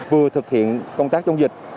vừa thực hiện công tác chống dịch